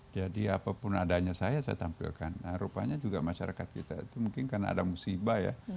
jadi apapun adanya saya saya tampilkan nah rupanya juga masyarakat kita itu mungkin karena ada musibah ya